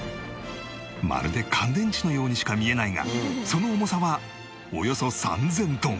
まるで乾電池のようにしか見えないがその重さはおよそ３０００トン